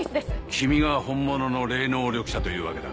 君が本物の霊能力者というわけだ。